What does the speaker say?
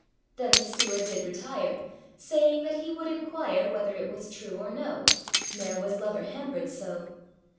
â Then the steward did retire, Saying, that he would enquire Whether it was true or no: Neâer was lover hampered so.